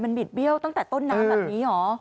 บิดเบี้ยวตั้งแต่ต้นน้ำแบบนี้เหรอ